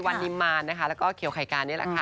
นิมมารนะคะแล้วก็เขียวไข่กานี่แหละค่ะ